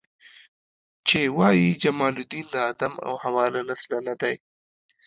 چې وایي جمال الدین د آدم او حوا له نسله نه دی.